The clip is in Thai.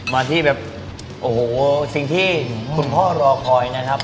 มาที่แบบโอ้โหสิ่งที่คุณพ่อรอคอยนะครับ